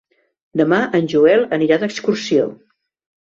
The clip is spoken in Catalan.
Demà en Joel anirà d'excursió.